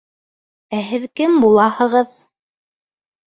Ә һеҙ кем булаһығыҙ?